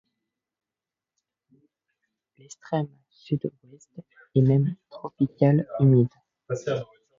L'extrême sud-ouest est même tropical humide.